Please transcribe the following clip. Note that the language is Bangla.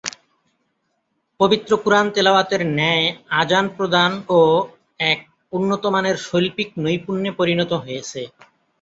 পবিত্র কুরআন তিলাওয়াতের ন্যায় আযান প্রদান ও এক উন্নতমানের শৈল্পিক নৈপুণ্যে পরিণত হয়েছে।